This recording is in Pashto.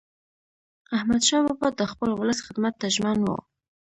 احمدشاه بابا د خپل ولس خدمت ته ژمن و.